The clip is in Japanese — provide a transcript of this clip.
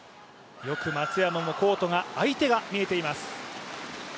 よく松山もコート、相手が見えています。